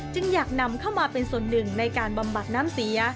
จึงอยากนำเข้ามาเป็นส่วนหนึ่งในการบำบัดน้ำเสีย